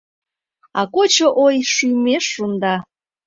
А кочо ой шӱмеш шунда.